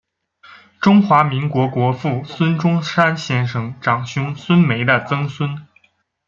中华民国国父孙中山先生长兄孙眉的曾孙。